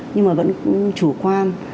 nhưng mà vẫn chủ quan